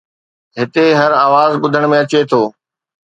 هتي هر آواز ٻڌڻ ۾ اچي ٿو